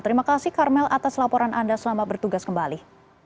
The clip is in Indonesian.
terima kasih karmel atas laporan anda selamat bertugas kembali